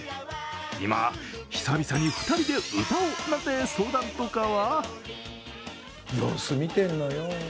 今、久々に２人で歌おうなんて相談とかは？